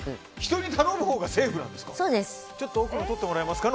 人に頼むほうがセーフなんですか？